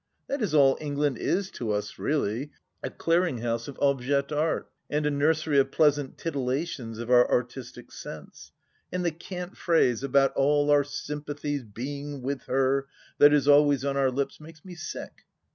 That is all England is to us, really, a clearing house of objeis d'art and a nursery of pleasant titillations of our artistic sense. And the cant phrase about all our sympathies being with her that is always on our lips makes me sick.